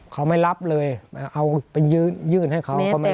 เขาไม่รับเลยเอายื่นให้เขา